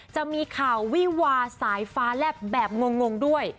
จะมีข่าววิวาสายฟ้าแลบแบบงงด้วย